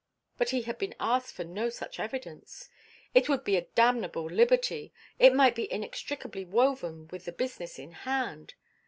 But he had been asked for no such evidence.... It would be a damnable liberty.... It might be inextricably woven with the business in hand....